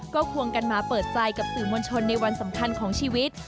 ก็ควงกันมาเปิดใจกับสื่อมวลชนในวันสำคัญของชีวิต